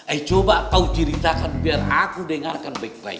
eh coba kau ceritakan biar aku dengarkan baik baik